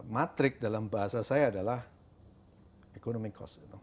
matrik dalam bahasa saya adalah economic cost